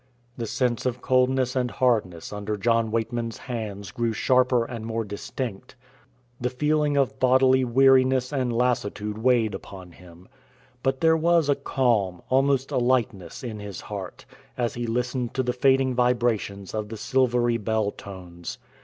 The sense of coldness and hardness under John Weightman's hands grew sharper and more distinct. The feeling of bodily weariness and lassitude weighed upon him, but there was a calm, almost a lightness, in his heart as he listened to the fading vibrations of the silvery bell tones.